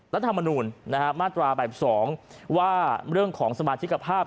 รัฐธรรมนูลมาตราแบบ๒ว่าเรื่องของสมาชิกภาพ